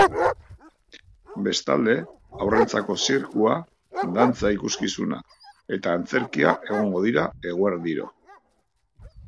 Bestalde, haurrentzako zirkua, dantza ikuskizuna eta antzerkia egongo dira eguerdiro.